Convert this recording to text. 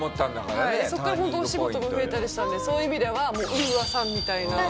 そこからホントお仕事も増えたりしたのでそういう意味ではＵＡさんみたいな存在。